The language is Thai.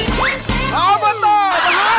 ออบอตอร์มหาสนุก